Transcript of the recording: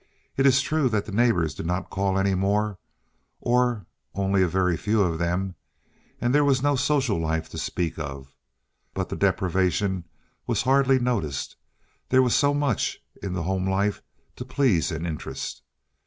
It is true that the neighbors did not call any more, or only a very few of them, and there was no social life to speak of; but the deprivation was hardly noticed; there was so much in the home life to please and interest.